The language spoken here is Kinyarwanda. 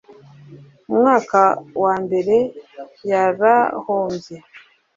umwaka wambere yarahombye.